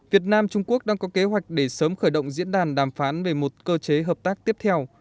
việt nam trung quốc đang có kế hoạch để sớm khởi động diễn đàn đàm phán về một cơ chế hợp tác tiếp theo